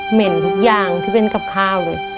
เห็นทุกอย่างที่เป็นกับข้าวเลย